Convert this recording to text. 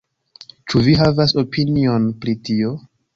Ĉu vi havas opinion pri tio?